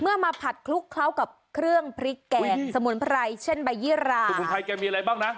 มาผัดคลุกเคล้ากับเครื่องพริกแกงสมุนไพรเช่นใบยี่ราสมุนไพรแกมีอะไรบ้างนะ